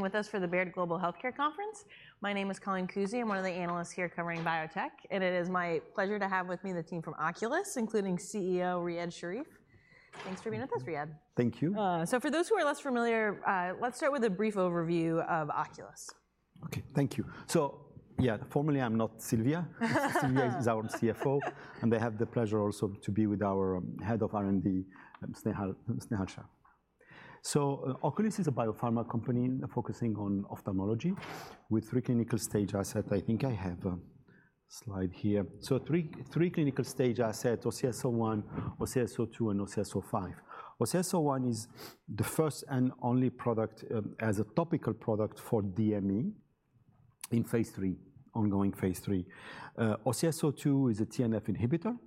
With us for the Baird Global Healthcare Conference. My name is Colleen Kusy. I'm one of the analysts here covering biotech, and it is my pleasure to have with me the team from Oculis, including CEO Riad Sherif. Thanks for being with us, Riad. Thank you. So for those who are less familiar, let's start with a brief overview of Oculis. Okay, thank you. So, yeah, formally, I'm not Sylvia. Sylvia is our CFO, and I have the pleasure also to be with our Head of R&D, Snehal Shah. So Oculis is a biopharma company focusing on Ophthalmology with three clinical-stage assets. I think I have a slide here. So three clinical-stage assets, OCS-01, OCS-02, and OCS-05. OCS-01 is the first and only product, as a topical product for DME in phase III, ongoing phase III. OCS-02 is a TNF inhibitor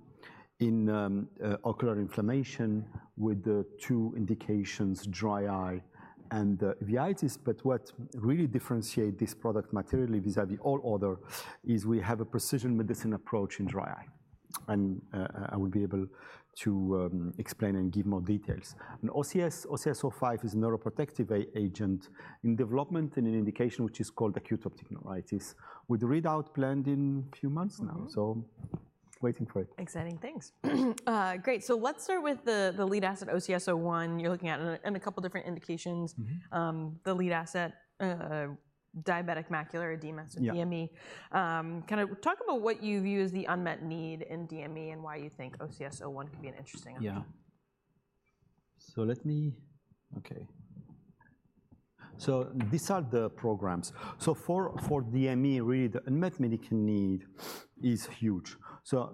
in ocular inflammation with the two indications, dry eye and uveitis. But what really differentiate this product materially vis-a-vis all other is we have a precision medicine approach in dry eye, and I will be able to explain and give more details. OCS-05 is a neuroprotective agent in development in an indication which is called acute optic neuritis, with readout planned in few months now. So, waiting for it. Exciting, thanks. Great, so let's start with the lead asset, OCS-01. You're looking at it in a couple different indications. The lead asset, diabetic macular edema- Yeah So DME. Kind of talk about what you view as the unmet need in DME and why you think OCS-01 could be an interesting option? These are the programs. For DME, really, the unmet medical need is huge.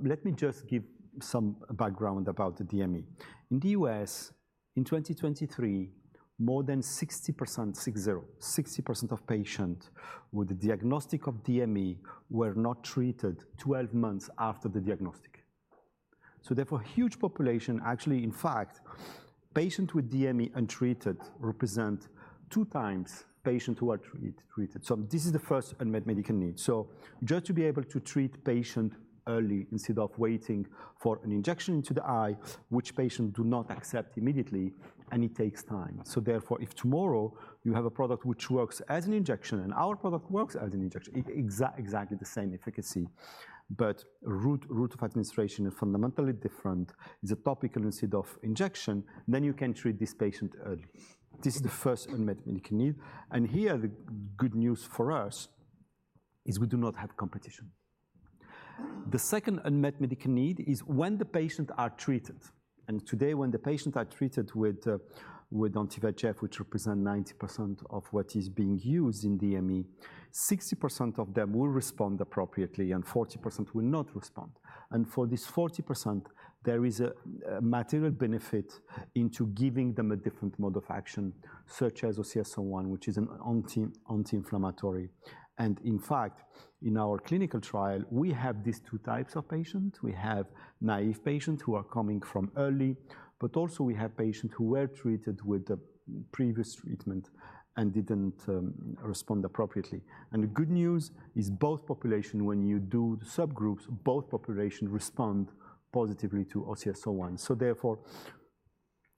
Let me just give some background about the DME. In the U.S., in 2023, more than 60% of patient with a diagnosis of DME were not treated 12 months after the diagnosis, so therefore, huge population. Actually, in fact, patient with DME untreated represent two times patient who are treated, so this is the first unmet medical need. Just to be able to treat patient early instead of waiting for an injection into the eye, which patient do not accept immediately, and it takes time. So therefore, if tomorrow you have a product which works as an injection, and our product works as an injection, exactly the same efficacy, but route of administration is fundamentally different, is a topical instead of injection, then you can treat this patient early. This is the first unmet medical need, and here, the good news for us is we do not have competition. The second unmet medical need is when the patient are treated, and today when the patient are treated with anti-VEGF, which represent 90% of what is being used in DME, 60% of them will respond appropriately, and 40% will not respond. And for this 40%, there is a material benefit into giving them a different mode of action, such as OCS-01, which is an anti-inflammatory. And in fact, in our clinical trial, we have these two types of patient. We have naive patients who are coming from early, but also we have patient who were treated with a previous treatment and didn't respond appropriately. And the good news is both population, when you do the subgroups, both population respond positively to OCS-01. So therefore,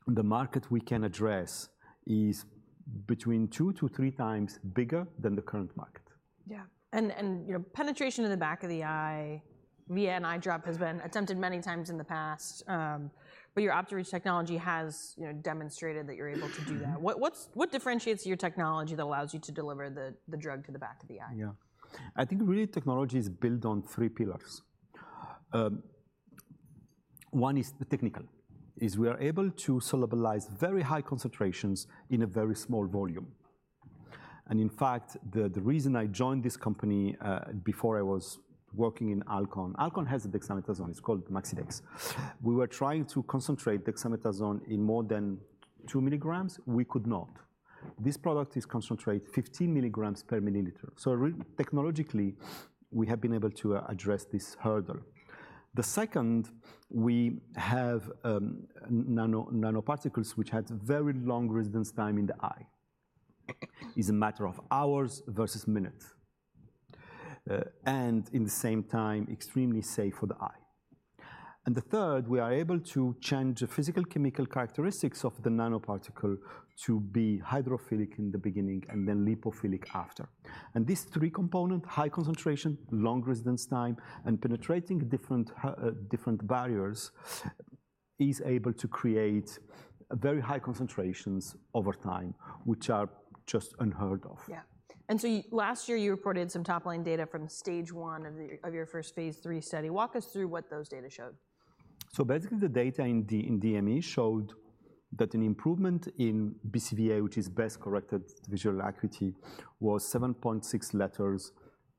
the market we can address is between two to three times bigger than the current market. Yeah, and you know, penetration in the back of the eye via an eye drop has been attempted many times in the past. But your Optireach technology has, you know, demonstrated that you're able to do that. What differentiates your technology that allows you to deliver the drug to the back of the eye? Yeah. I think really, technology is built on three pillars. One is the technical. We are able to solubilize very high concentrations in a very small volume, and in fact, the reason I joined this company before I was working in Alcon. Alcon has dexamethasone. It's called Maxidex. We were trying to concentrate dexamethasone in more than two milligrams. We could not. This product is concentrate 15 milligrams per milliliter, so technologically, we have been able to address this hurdle. The second, we have nanoparticles, which has very long residence time in the eye. It's a matter of hours versus minutes, and in the same time, extremely safe for the eye. And the third, we are able to change the physical chemical characteristics of the nanoparticle to be hydrophilic in the beginning and then lipophilic after. These three component, high concentration, long residence time, and penetrating different barriers, is able to create very high concentrations over time, which are just unheard of. Yeah. And so you, last year, you reported some top-line data from stage one of the, of your first phase III study. Walk us through what those data showed. So basically, the data in DME showed that an improvement in BCVA, which is best-corrected visual acuity, was 7.6 letters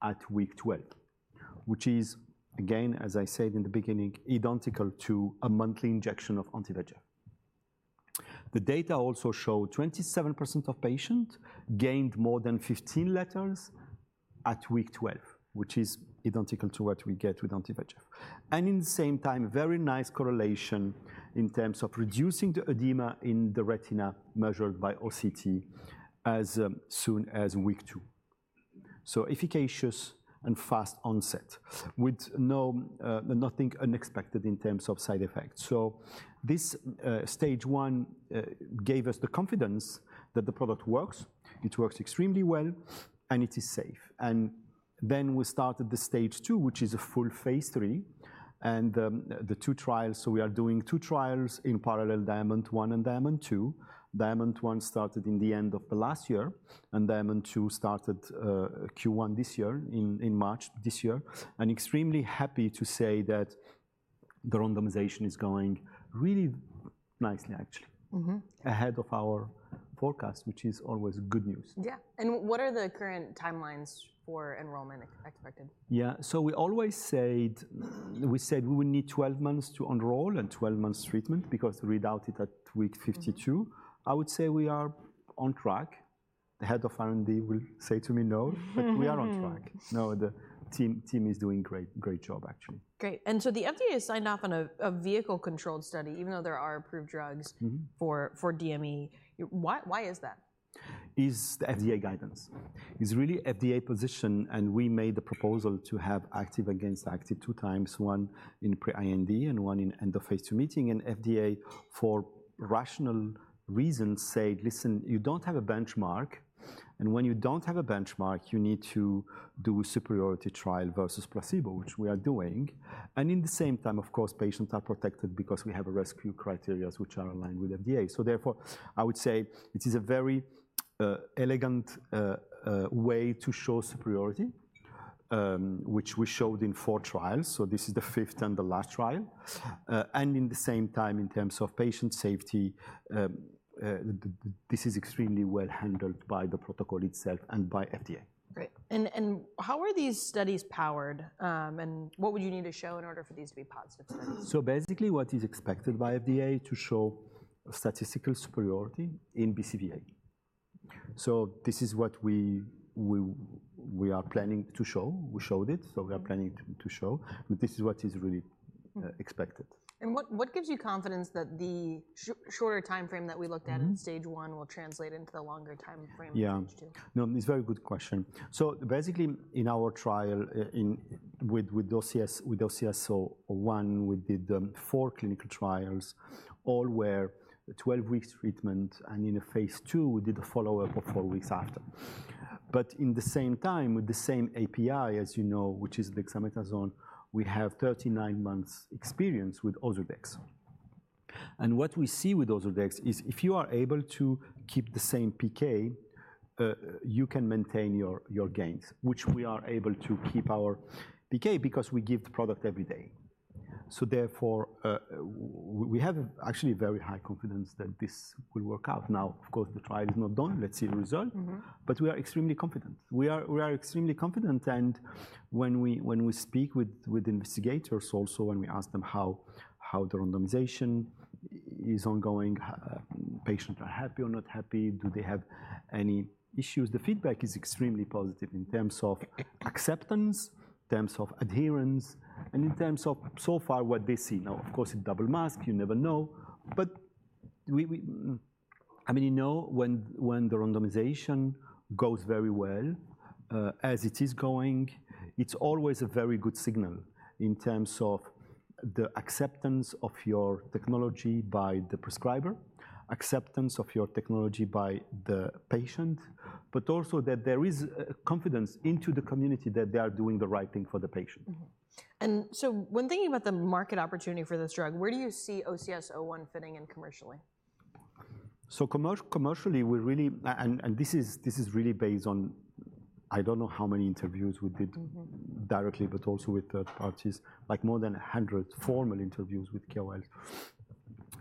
at week 12, which is, again, as I said in the beginning, identical to a monthly injection of anti-VEGF. The data also showed 27% of patient gained more than 15 letters at week 12, which is identical to what we get with anti-VEGF, and in the same time, very nice correlation in terms of reducing the edema in the retina measured by OCT as soon as week two. So efficacious and fast onset with nothing unexpected in terms of side effects. So this stage one gave us the confidence that the product works, it works extremely well, and it is safe. And then we started the stage two, which is a full phase III, and the two trials, so we are doing two trials in parallel: Diamond-1 and Diamond-2. Diamond-1 started in the end of the last year, and Diamond-2 started Q1 this year, in March this year. I'm extremely happy to say that the randomization is going really nicely, actually- Ahead of our forecast, which is always good news. Yeah. And what are the current timelines for enrollment expected? Yeah, so we always said, we said we would need 12 months to enroll and 12 months treatment, because the readout is at week 52. I would say we are on track. The Head of R&D will say to me, "No," We are on track. No, the team is doing great, great job, actually. Great. And so the FDA signed off on a vehicle-controlled study, even though there are approved drugs for DME. Why is that? It's the FDA guidance. It's really FDA position, and we made the proposal to have active against active two times, one in pre-IND and one in the phase II meeting, and FDA, for rational reasons, said, "Listen, you don't have a benchmark, and when you don't have a benchmark, you need to do a superiority trial versus placebo," which we are doing, and in the same time, of course, patients are protected because we have a rescue criteria which are aligned with FDA, so therefore, I would say it is a very elegant way to show superiority, which we showed in four trials, so this is the fifth and the last trial, and in the same time, in terms of patient safety, this is extremely well handled by the protocol itself and by FDA. Great. And how are these studies powered, and what would you need to show in order for these to be positive studies? So basically, what is expected by FDA to show statistical superiority in BCVA. So this is what we are planning to show. We showed it, so we are planning to show, but this is what is really expected. What gives you confidence that the shorter timeframe that we looked at in stage one will translate into the longer timeframe in stage two? Yeah. No, it's a very good question. So basically, in our trial with OCS-01, we did four clinical trials, all were twelve weeks treatment, and in the phase II, we did a follow-up of four weeks after. But in the same time, with the same API, as you know, which is dexamethasone, we have thirty-nine months experience with Ozurdex. And what we see with Ozurdex is if you are able to keep the same PK, you can maintain your gains, which we are able to keep our PK because we give the product every day. So therefore, we have actually very high confidence that this will work out. Now, of course, the trial is not done. Let's see the result. But we are extremely confident. We are, we are extremely confident, and when we, when we speak with, with investigators also, and we ask them how, how the randomization is ongoing, patients are happy or not happy, do they have any issues? The feedback is extremely positive in terms of acceptance, in terms of adherence, and in terms of so far what they see. Now, of course, in double mask, you never know. But we, we... I mean, you know when, when the randomization goes very well, as it is going, it's always a very good signal in terms of the acceptance of your technology by the prescriber, acceptance of your technology by the patient, but also that there is, confidence into the community that they are doing the right thing for the patient. And so when thinking about the market opportunity for this drug, where do you see OCS-01 fitting in commercially? Commercially, we really... and this is really based on I don't know how many interviews we did directly, but also with third parties, like more than a hundred formal interviews with KOLs,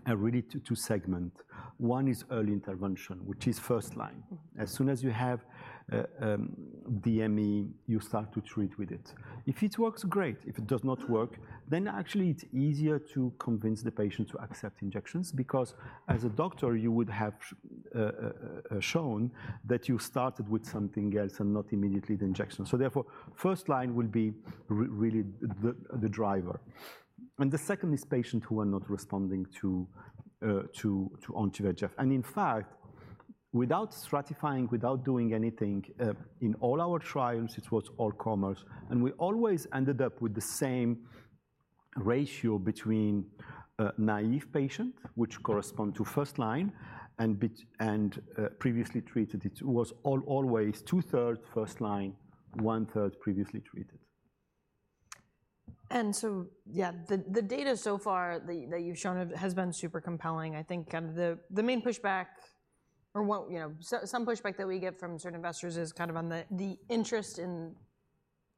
and really, two, two segment: one is early intervention, which is first line. As soon as you have DME, you start to treat with it. If it works, great. If it does not work, then actually it's easier to convince the patient to accept injections because, as a doctor, you would have shown that you started with something else and not immediately the injection. So therefore, first line will be really the driver. And the second is patient who are not responding to anti-VEGF. And in fact, without stratifying, without doing anything, in all our trials, it was all comers, and we always ended up with the same ratio between naive patient, which correspond to first line, and previously treated. It was always two-thirds first line, one-third previously treated. So, yeah, the data so far that you've shown has been super compelling. I think kind of the main pushback or what, you know, some pushback that we get from certain investors is kind of on the interest in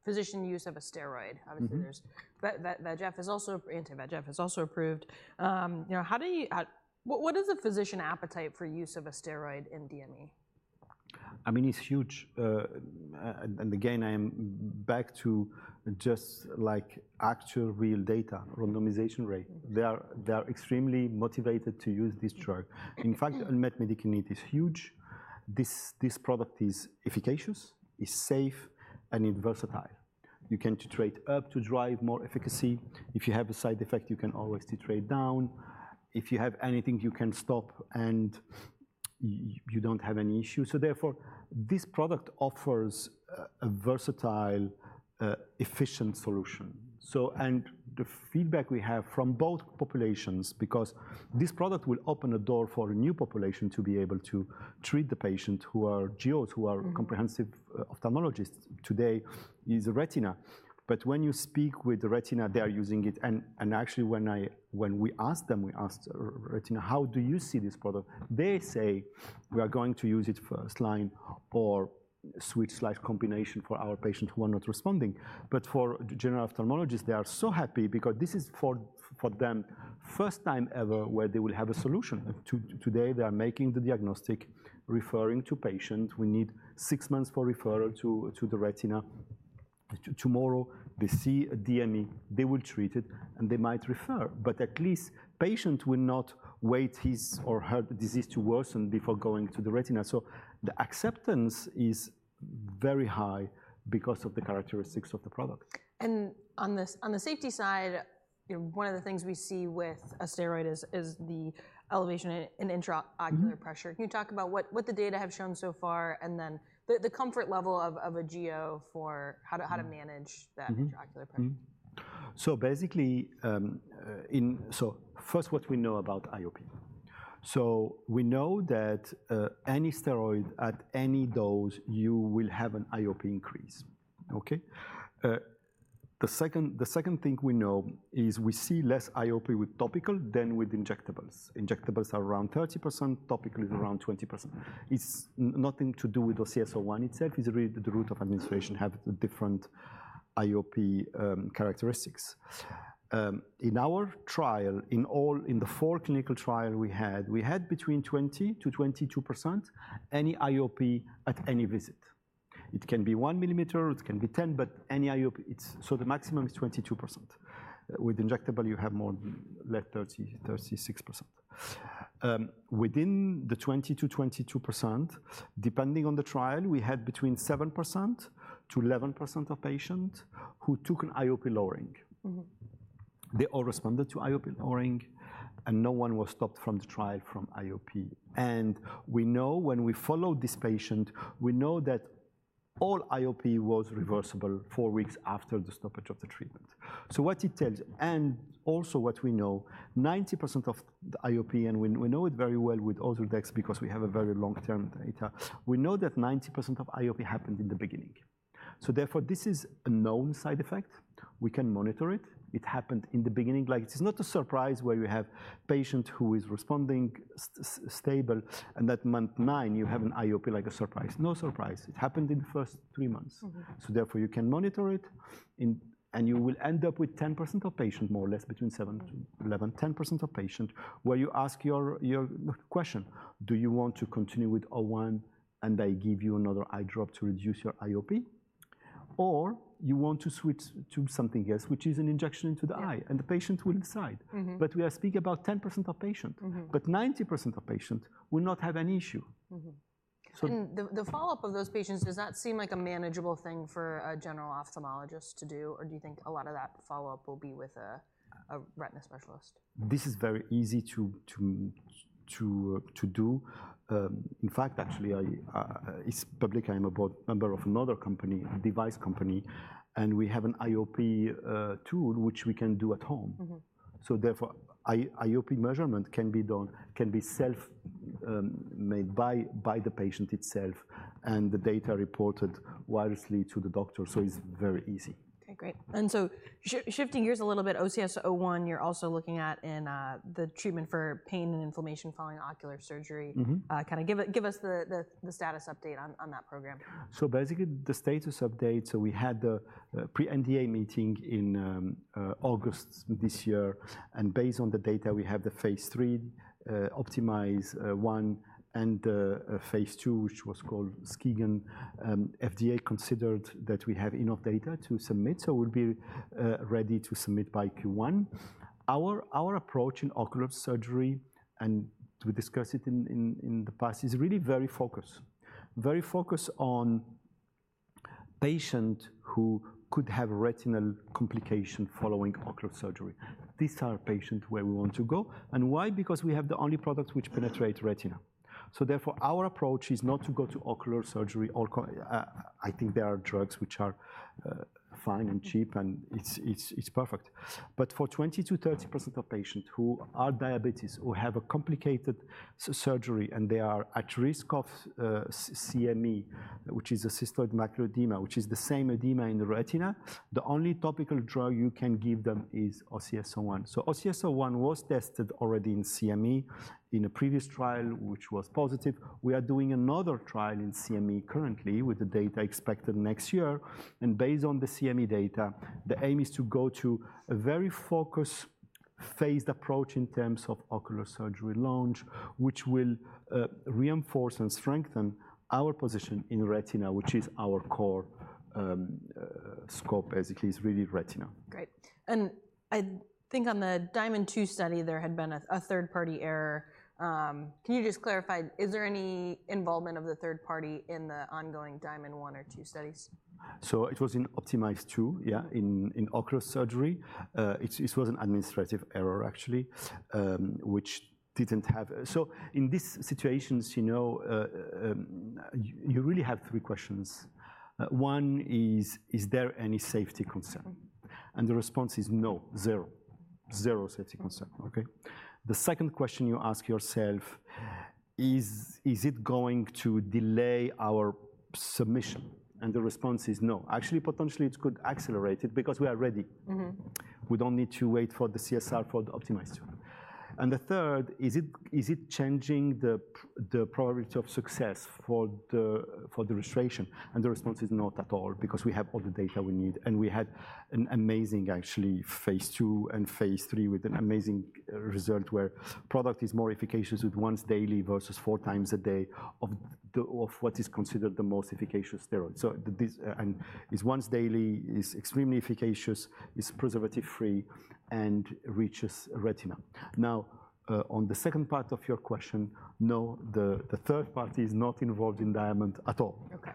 physician use of a steroid. Obviously, there's VEGF is also anti-VEGF is also approved. You know, how do you, what is the physician appetite for use of a steroid in DME? I mean, it's huge. And again, I am back to just, like, actual, real data, randomization rate. They are extremely motivated to use this drug. In fact, unmet medical need is huge. This product is efficacious, it's safe, and it's versatile. You can titrate up to drive more efficacy. If you have a side effect, you can always titrate down. If you have anything, you can stop, and you don't have any issues. So therefore, this product offers a versatile, efficient solution. So, and the feedback we have from both populations, because this product will open a door for a new population to be able to treat the patient who are GOs, who are comprehensive ophthalmologists today is retina. But when you speak with the retina, they are using it, and actually when we asked them, we asked retina, "How do you see this product?" They say, "We are going to use it for first line or switch slide combination for our patients who are not responding." But for general ophthalmologists, they are so happy because this is for them, first time ever where they will have a solution. Today, they are making the diagnosis, referring the patient. We need six months for referral to the retina. Tomorrow, they see a DME, they will treat it, and they might refer, but at least the patient will not wait his or her disease to worsen before going to the retina. So the acceptance is very high because of the characteristics of the product. On the safety side, you know, one of the things we see with a steroid is the elevation in intraocular pressure. Can you talk about what the data have shown so far, and then the comfort level of a GO for how to manage that intraocular pressure? So basically, first, what we know about IOP. So we know that any steroid at any dose, you will have an IOP increase. Okay? The second thing we know is we see less IOP with topical than with injectables. Injectables are around 30%, topical is around 20%. It's nothing to do with OCS-01 itself. It's really the route of administration have the different IOP characteristics. In our trial, in all, in the four clinical trial we had, we had between 20%-22%, any IOP at any visit. It can be one millimeter, it can be 10, but any IOP, so the maximum is 22%. With injectable, you have more, like 30%-36%. Within the 20%-22%, depending on the trial, we had between 7%-11% of patients who took an IOP lowering. They all responded to IOP lowering, and no one was stopped from the trial from IOP. And we know when we followed this patient, we know that all IOP was reversible four weeks after the stoppage of the treatment. So what it tells, and also what we know, 90% of the IOP, and we know it very well with Ozurdex because we have a very long-term data, we know that 90% of IOP happened in the beginning. So therefore, this is a known side effect. We can monitor it. It happened in the beginning. Like, it is not a surprise where you have patient who is responding stable, and at month nine, you have an IOP like a surprise. No surprise, it happened in the first three months. Therefore, you can monitor it, and you will end up with 10% of patient, more or less, between 7% to 11-10% of patients, where you ask your question: "Do you want to continue with O1, and I give you another eye drop to reduce your IOP? Or you want to switch to something else, which is an injection into the eye? Yeah. The patient will decide. But we are speaking about 10% of patient. But 90% of patients will not have an issue. So- The follow-up of those patients, does that seem like a manageable thing for a general ophthalmologist to do? Or do you think a lot of that follow-up will be with a retina specialist? This is very easy to do. In fact, actually, it's public. I'm a board member of another company a device company, and we have an IOP tool which we can do at home. So therefore, IOP measurement can be done, can be self-made by the patient itself, and the data reported wirelessly to the doctor. It's very easy. Okay, great. And so shifting gears a little bit, OCS-01, you're also looking at in the treatment for pain and inflammation following ocular surgery. Kind of give us the status update on that program. So basically, the status update, so we had the pre-NDA meeting in August this year, and based on the data, we have the phase III OPTIMIZE-1 and phase II, which was called SKYGGN. FDA considered that we have enough data to submit, so we'll be ready to submit by Q1. Our approach in ocular surgery, and we discussed it in the past, is really very focused. Very focused on patient who could have retinal complication following ocular surgery. These are patients where we want to go, and why? Because we have the only products which penetrate retina. So therefore, our approach is not to go to ocular surgery, or I think there are drugs which are fine and cheap and it's perfect. But for 20%-30% of patients who are diabetes, who have a complicated surgery, and they are at risk of CME, which is a cystoid macular edema, which is the same edema in the retina, the only topical drug you can give them is OCS-01. So OCS-01 was tested already in CME in a previous trial, which was positive. We are doing another trial in CME currently, with the data expected next year. And based on the CME data, the aim is to go to a very focused phased approach in terms of ocular surgery launch, which will reinforce and strengthen our position in retina, which is our core. Scope basically is really retina. Great. And I think on the DIAMOND-2 study, there had been a third-party error. Can you just clarify, is there any involvement of the third party in the ongoing DIAMOND-1 or DIAMOND-2 studies? It was in OPTIMIZE-2, in ocular surgery. It was an administrative error, actually, which didn't have. In these situations, you know, you really have three questions. One is: is there any safety concern? The response is no, zero. Zero safety concern, okay? The second question you ask yourself: is it going to delay our submission? The response is no. Actually, potentially, it could accelerate it because we are ready. We don't need to wait for the CSR for the OPTIMIZE-2. The third: is it changing the probability of success for the registration? The response is, "Not at all," because we have all the data we need, and we had an amazing, actually, phase II and phase III with an amazing result, where product is more efficacious with once daily versus four times a day of what is considered the most efficacious steroid. So this, and it's once daily, it's extremely efficacious, it's preservative-free, and reaches retina. Now, on the second part of your question, no, the third party is not involved in DIAMOND at all. Okay,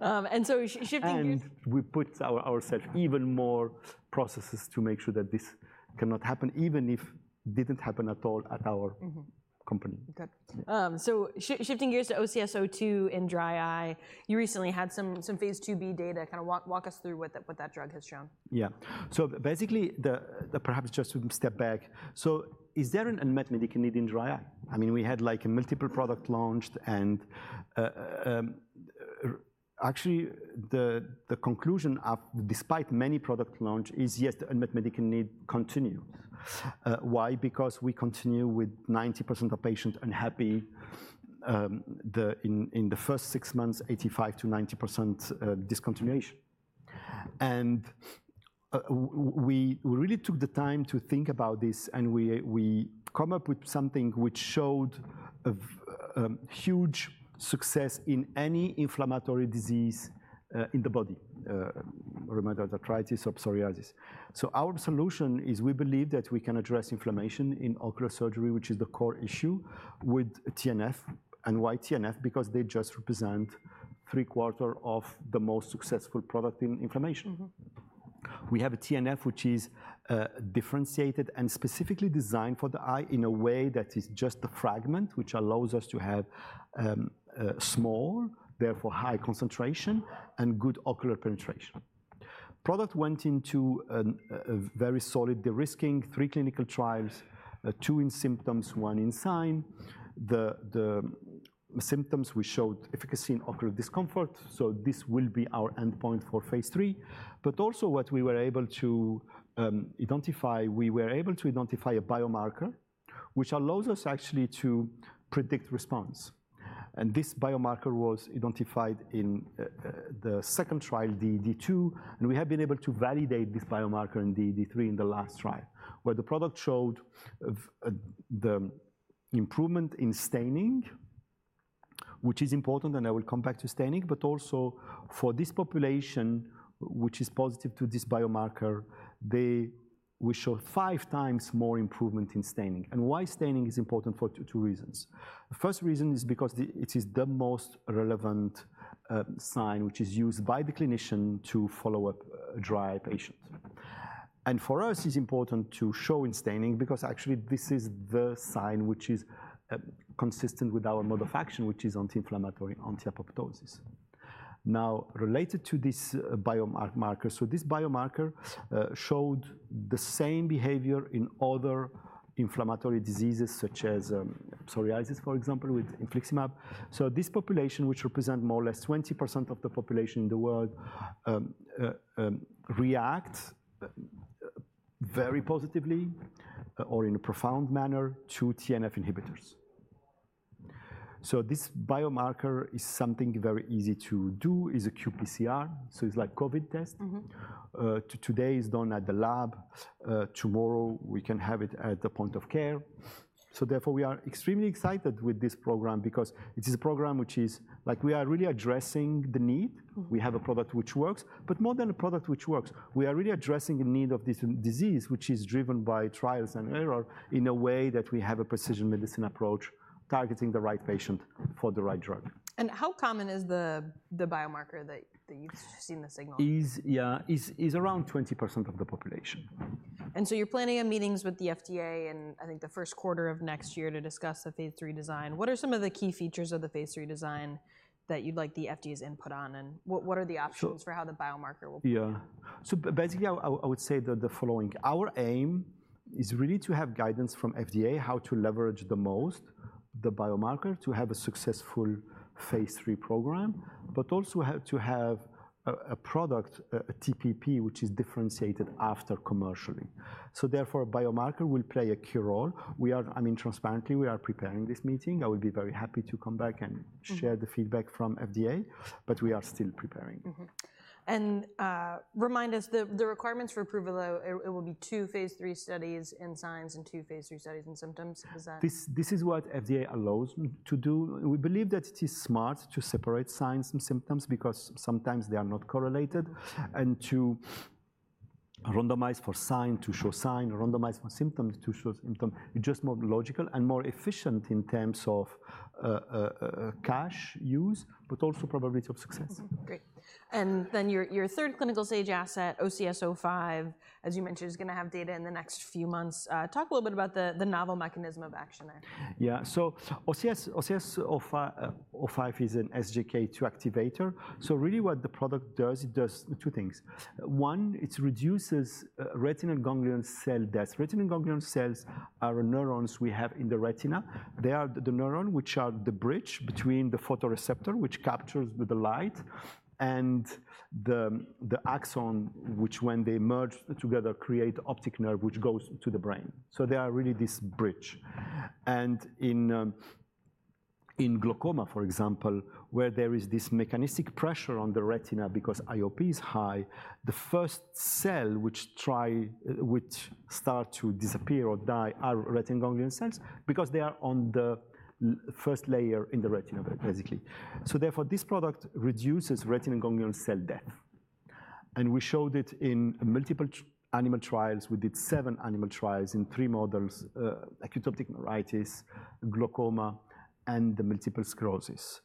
and so, shifting gears- And we put ourselves even more processes to make sure that this cannot happen, even if didn't happen at all at our company. Good. So shifting gears to OCS-02 in dry eye, you recently had some phase IIb data. Kinda walk us through what that drug has shown. Yeah. So basically, perhaps just to step back, so is there an unmet medical need in dry eye? I mean, we had, like, multiple product launched and, actually, the conclusion despite many product launch is, yes, the unmet medical need continues. Why? Because we continue with 90% of patients unhappy, in the first six months, 85%-90% discontinuation. And, we really took the time to think about this, and we come up with something which showed a huge success in any inflammatory disease, in the body. Rheumatoid arthritis or psoriasis. So our solution is, we believe that we can address inflammation in ocular surgery, which is the core issue, with TNF. And why TNF? Because they just represent three quarters of the most successful product in inflammation. We have a TNF which is differentiated and specifically designed for the eye in a way that is just a fragment, which allows us to have small, therefore, high concentration and good ocular penetration. Product went into a very solid de-risking, three clinical trials, two in symptoms, one in sign. The symptoms, we showed efficacy in ocular discomfort, so this will be our endpoint for phase III. But also, what we were able to identify a biomarker which allows us actually to predict response, and this biomarker was identified in the second trial, the D2, and we have been able to validate this biomarker in DD3, in the last trial, where the product showed of the improvement in staining, which is important, and I will come back to staining. But also, for this population, which is positive to this biomarker, we showed five times more improvement in staining. And why staining is important? For two reasons. The first reason is because it is the most relevant sign, which is used by the clinician to follow up a dry eye patient. And for us, it's important to show in staining because actually this is the sign which is consistent with our mode of action, which is anti-inflammatory, anti-apoptosis. Now, related to this biomarker, so this biomarker showed the same behavior in other inflammatory diseases, such as psoriasis, for example, with Infliximab. So this population, which represent more or less 20% of the population in the world, reacts very positively, or in a profound manner, to TNF inhibitors. So this biomarker is something very easy to do. It's a qPCR, so it's like Covid test. Today, it's done at the lab. Tomorrow, we can have it at the point of care. So therefore, we are extremely excited with this program because it is a program which is... Like, we are really addressing the need. We have a product which works. But more than a product which works, we are really addressing a need of this disease, which is driven by trial and error, in a way that we have a precision medicine approach, targeting the right patient for the right drug. How common is the biomarker that you've seen the signal? It's around 20% of the population. And so you're planning on meetings with the FDA in, I think, the Q1 of next year to discuss the phase III design. What are some of the key features of the phase III design that you'd like the FDA's input on, and what are the options? Sure for how the biomarker will be? Yeah. So basically, I would say the following: our aim is really to have guidance from FDA how to leverage the most, the biomarker, to have a successful phase III program, but also have to have a product, a TPP, which is differentiated commercially. So therefore, a biomarker will play a key role. We are, I mean, transparently, we are preparing this meeting. I will be very happy to come back and- share the feedback from FDA, but we are still preparing. And remind us, the requirements for approval, though, it will be two phase III studies in signs and two phase III studies in symptoms. Is that? This is what FDA allows me to do. We believe that it is smart to separate signs and symptoms because sometimes they are not correlated. Sure. And to randomize for sign, to show sign, randomize for symptoms, to show symptom, it's just more logical and more efficient in terms of cash use, but also probability of success. Great. And then your third clinical stage asset, OCS-05, as you mentioned, is gonna have data in the next few months. Talk a little bit about the novel mechanism of action there. Yeah. OCS-05 is an SGK2 activator. Really what the product does, it does two things. One, it reduces retinal ganglion cell death. Retinal ganglion cells are neurons we have in the retina. They are the neuron, which are the bridge between the photoreceptor, which captures with the light, and the axon, which when they merge together, create optic nerve, which goes to the brain. So they are really this bridge. And in glaucoma, for example, where there is this mechanistic pressure on the retina because IOP is high, the first cell which start to disappear or die are retinal ganglion cells because they are on the first layer in the retina, basically. So therefore, this product reduces retinal ganglion cell death, and we showed it in multiple animal trials. We did seven animal trials in three models: acute optic neuritis, glaucoma, and the multiple sclerosis.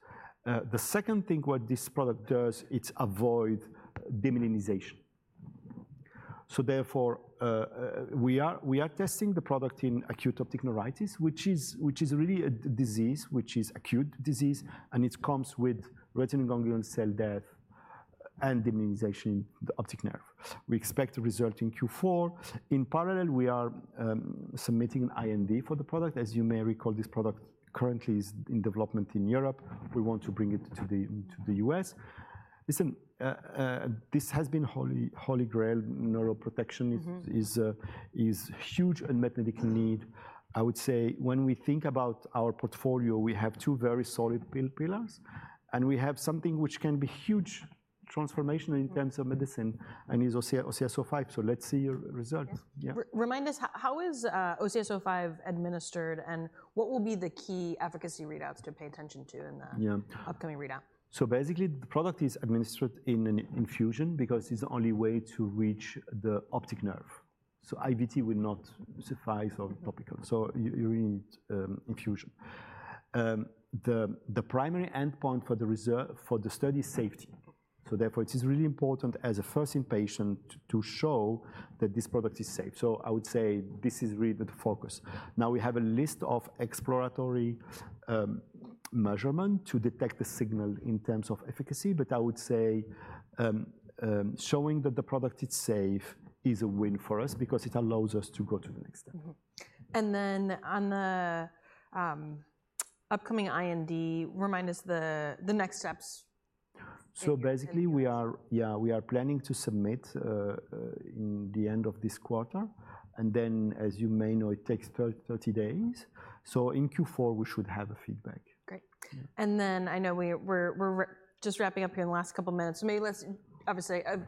The second thing what this product does, it avoid demyelinization. So therefore, we are testing the product in acute optic neuritis, which is really a disease, which is acute disease, and it comes with retinal ganglion cell death and demyelinization the optic nerve. We expect the result in Q4. In parallel, we are submitting an IND for the product. As you may recall, this product currently is in development in Europe. We want to bring it to the US. Listen, this has been holy grail. Neuroprotection is huge unmet medical need. I would say when we think about our portfolio, we have two very solid pillars, and we have something which can be huge transformation in terms of medicine and is OCS-05, so let's see the results. Yeah. Yeah. Remind us, how is OCS-05 administered, and what will be the key efficacy readouts to pay attention to in the- Yeah upcoming readout? So basically, the product is administered in an infusion because it's the only way to reach the optic nerve. So IVT will not suffice or topical, so you need infusion. The primary endpoint for the study, safety, so therefore it is really important as a first in patient to show that this product is safe. So I would say this is really the focus. Now, we have a list of exploratory measurement to detect the signal in terms of efficacy, but I would say showing that the product is safe is a win for us because it allows us to go to the next step. And then on the upcoming IND, remind us the next steps. So basically, yeah, we are planning to submit in the end of this quarter, and then, as you may know, it takes thirty days, so in Q4 we should have a feedback. Great. Yeah. And then, I know we're just wrapping up here in the last couple minutes, so maybe let's obviously a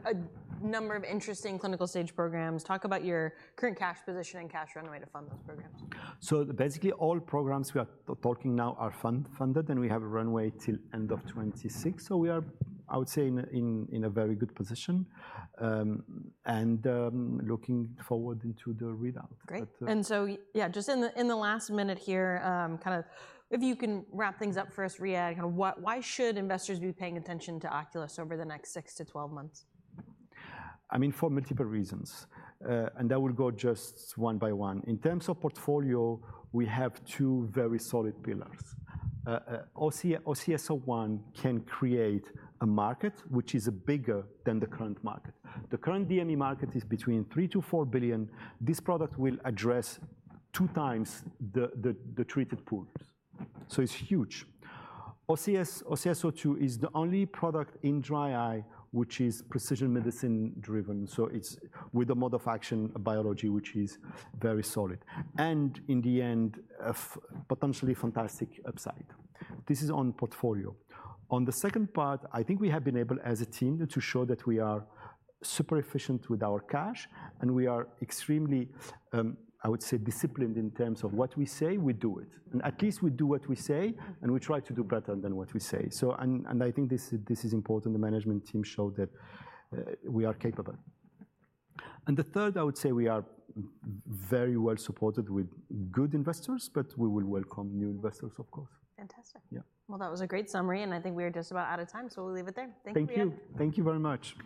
number of interesting clinical stage programs. Talk about your current cash position and cash runway to fund those programs. So basically, all programs we are talking now are funded, and we have a runway till end of 2026, so we are, I would say, in a very good position. Looking forward into the readout, but Great. And so, yeah, just in the last minute here, kind of if you can wrap things up for us, Riad, Why should investors be paying attention to Oculis over the next six to twelve months? I mean, for multiple reasons, and I will go just one by one. In terms of portfolio, we have two very solid pillars. OCS-01 can create a market which is bigger than the current market. The current DME market is between $3 billion to $4 billion. This product will address two times the treated pools, so it's huge. OCS-02 is the only product in dry eye which is precision medicine driven, so it's with a mode of action, biology, which is very solid and, in the end, a potentially fantastic upside. This is on portfolio. On the second part, I think we have been able, as a team, to show that we are super efficient with our cash, and we are extremely, I would say, disciplined in terms of what we say, we do it. And at least we do what we say, and we try to do better than what we say. So, I think this is important. The management team show that we are capable. And the third, I would say we are very well supported with good investors, but we will welcome new investors, of course. Fantastic. Yeah. That was a great summary, and I think we are just about out of time, so we'll leave it there. Thank you, Riad. Thank you. Thank you very much.